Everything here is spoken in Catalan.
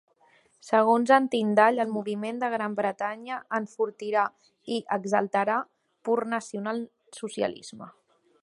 Segons en Tyndall, "El Moviment de Gran Bretanya enfortirà, i exaltarà, pur Nacional Socialisme".